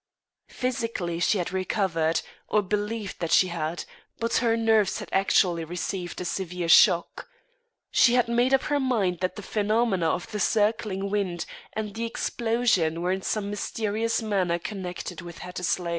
Physically she had recovered, or believed that she had, but her nerves had actually received a severe shock. She had made up her mind that the phenomena of the circling wind and the explosion were in some mysterious manner connected with Hattersley.